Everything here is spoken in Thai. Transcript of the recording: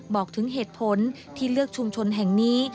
บอกถึงเหตุผลที่เลือกชุมชนแห่งนี้